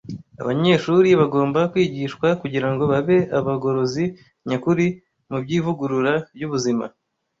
Abanyeshuri bagomba kwigishwa kugira ngo babe abagorozi nyakuri mu by’ivugurura ry’ubuzima